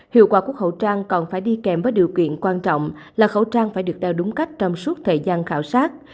hiệu quả của khẩu trang còn phải đi kèm với điều kiện quan trọng là khẩu trang phải được đeo đúng cách trong suốt thời gian khảo sát